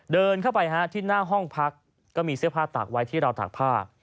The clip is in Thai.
เดินเข้าไปที่หน้าห้องพักก็มีเสื้อผ้าตากไว้ที่ราวตากผ้า